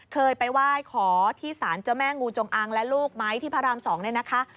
เคยไปไหว้ขอที่สารเจ้าแม่งูจงอังและลูกไหมที่พระราม๒เนี่ยนะคะ